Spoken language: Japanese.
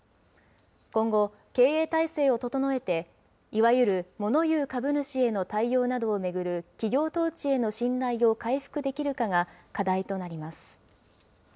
今後、経営体制を整えて、いわゆるモノ言う株主への対応などを巡る企業統治への信頼を回復できるかが課題となります。